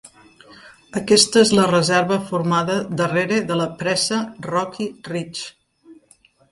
Aquesta és la reserva formada darrera de la pressa Rocky Reach.